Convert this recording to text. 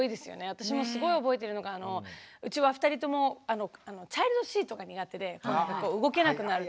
私もすごい覚えてるのがうちは２人ともチャイルドシートが苦手で動けなくなる。